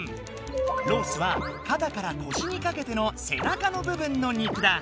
「ロース」は肩から腰にかけての背中の部分の肉だ。